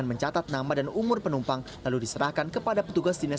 oke itu sudah kemana mana ya sudah jauh semua